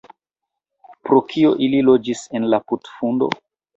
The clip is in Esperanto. "Pro kio ili loĝis en la putfundo?"